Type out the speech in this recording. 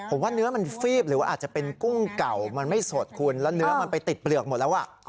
ผมว่าเนื้อมันฟีบหรือว่าอาจจะเป็นกุ้งเก่ามันไม่สดคุณแล้วเนื้อมันไปติดเปลือกหมดแล้ว